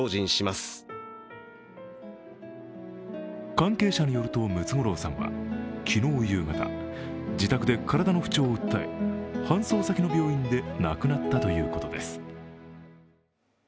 関係者によるとムツゴロウさんは昨日夕方、自宅で体の不調を訴え搬送先の病院で亡くなったということです。